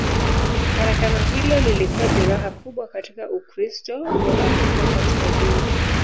Farakano hilo lilikuwa jeraha kubwa katika Ukristo wa Afrika Kaskazini.